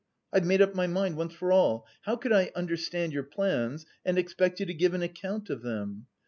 I've made up my mind once for all: how could I understand your plans and expect you to give an account of them?